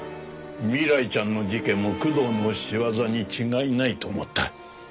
未来ちゃんの事件も工藤の仕業に違いないと思った。